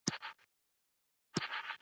چې علوم پر خپلو ګټو نه شو اړولی.